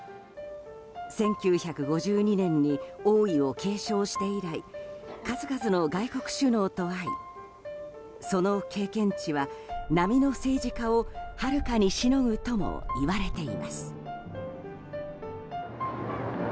１９５２年に王位を継承して以来数々の外国首脳と会いその経験値は並の政治家をはるかにしのぐとも言われています。